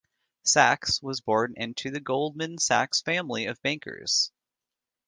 Sachs was born into the Goldman-Sachs family of bankers.